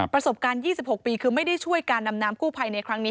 ประสบการณ์๒๖ปีคือไม่ได้ช่วยการดำน้ำกู้ภัยในครั้งนี้